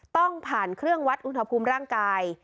ต้องผ่านเครื่องวัดอุณหภูมิร่างกาย